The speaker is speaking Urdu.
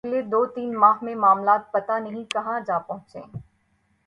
اگلے دو تین ماہ میں معاملات پتہ نہیں کہاں جا پہنچیں۔